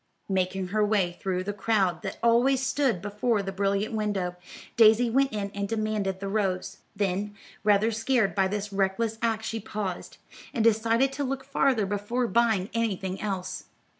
Making her way through the crowd that always stood before the brilliant window, Daisy went in and demanded the rose; then, rather scared by this reckless act she paused, and decided to look farther before buying anything else.